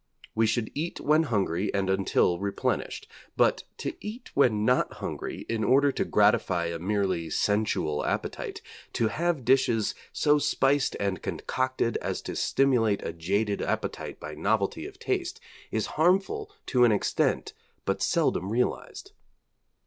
We should eat when hungry and until replenished; but to eat when not hungry in order to gratify a merely sensual appetite, to have dishes so spiced and concocted as to stimulate a jaded appetite by novelty of taste, is harmful to an extent but seldom realised.